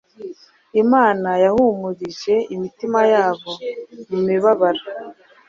Imana yahumurije umitima yabo mu mibabaro